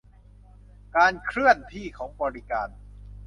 การเคลื่อนที่ของบริการ